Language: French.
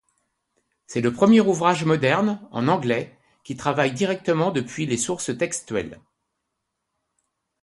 C'est le premier ouvrage moderne, en anglais, qui travaille directement depuis les sources textuelles.